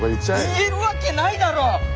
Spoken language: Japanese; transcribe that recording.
言えるわけないだろ！